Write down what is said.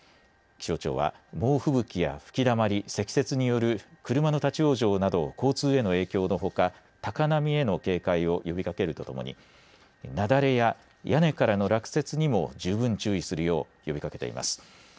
気象庁は、猛吹雪や吹きだまり積雪による車の立往生など交通への影響のほか高波への警戒を呼びかけるとともになだれや屋根からの落雪にも十分注意するよう呼びかけています。